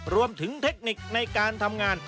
รวมถึงเทคนิคในการทำงาน